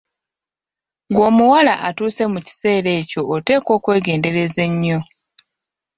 Ggwe omuwala atuuse mu kiseera ekyo oteekwa okwegendereza ennyo.